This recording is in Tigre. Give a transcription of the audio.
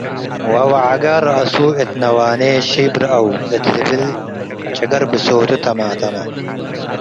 ወወዐገ ረአሱ እት ነዋኔ፤ “ሺብ ረአው” እት ልብል ጭገር ብሶቱ ተማተመ።